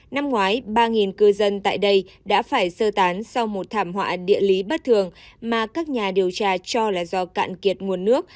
năm ngoái ba cư dân tại đây đã phải sơ tán sau một thảm họa địa lý bất thường mà các nhà điều tra cho là do cạn kiệt nguồn nước